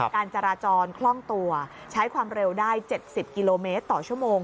การจราจรคล่องตัวใช้ความเร็วได้๗๐กิโลเมตรต่อชั่วโมง